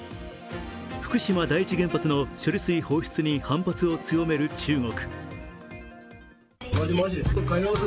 福島第一原発の処理水放出に反発を強める中国。